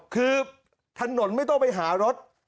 คือถนนไม่ต้องไปหารถ